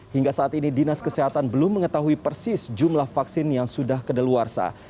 hingga saat ini dinas kesehatan belum mengetahui persis jumlah vaksin yang sudah kedaluarsa